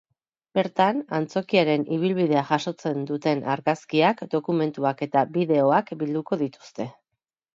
Bertan, antzokiaren ibilbidea jasotzen dutenargazkiak, dokumentuak eta bideoak bilduko dituzte.